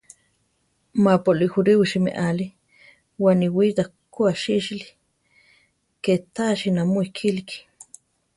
Ma-pu aʼlí juríosi meʼali, waniwíta ku asísili, ké tási namó ikíliki.